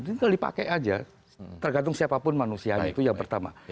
ini kalau dipakai saja tergantung siapapun manusia itu yang pertama